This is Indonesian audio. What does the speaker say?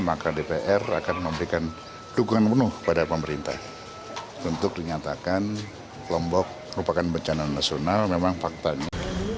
maka dpr akan memberikan dukungan penuh kepada pemerintah untuk dinyatakan lombok merupakan bencana nasional memang faktanya